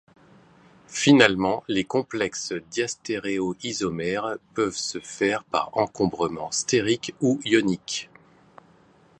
Finalement, les complexes diastéréoisomère peuvent se faire par encombrement stérique ou ionique.